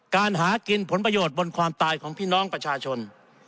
หากินผลประโยชน์บนความตายของพี่น้องประชาชน